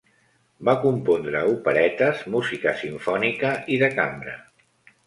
Va compondre operetes, música simfònica i de cambra.